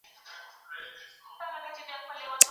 تاسو به د خپل فکري ثبات لپاره کار کوئ.